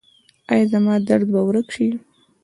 ایا زما درد به ورک شي؟